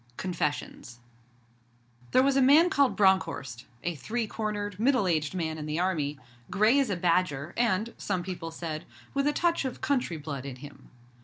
CONFESSIONS There was a man called Bronckhorst a three cornered, middle aged man in the Army grey as a badger, and, some people said, with a touch of country blood in him.